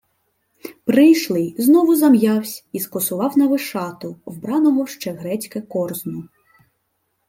Прийшлий знову зам'явсь і скосував на Вишату, вбраного в ще грецьке корзно.